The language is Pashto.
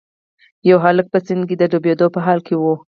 یو هلک په سیند کې د ډوبیدو په حال کې و.